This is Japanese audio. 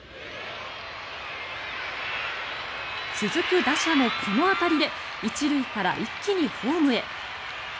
続く打者のこの当たりで１塁から一気にホームへ。